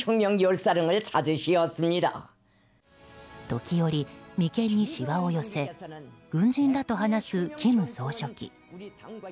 時折、眉間にしわを寄せ軍人らと話す金総書記。